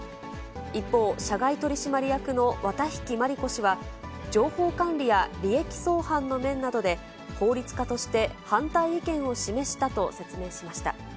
一方、社外取締役の綿引万里子氏は、情報管理や利益相反の面などで、法律家として反対意見を示したと説明しました。